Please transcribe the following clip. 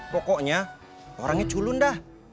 pokoknya orangnya culun dah